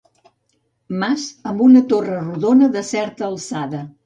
Mas amb una torre rodona de certa alçada.